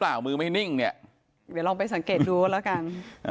เดี๋ยวลองไปสังเกตดูแล้วกัน